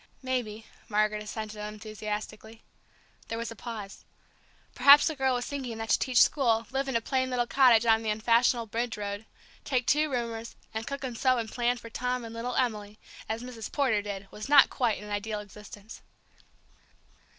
"Maybe," Margaret assented unenthusiastically. There was a pause. Perhaps the girl was thinking that to teach school, live in a plain little cottage on the unfashionable Bridge Road, take two roomers, and cook and sew and plan for Tom and little Emily, as Mrs. Porter did, was not quite an ideal existence.